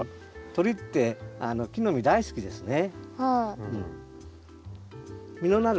鳥って木の実大好きですね。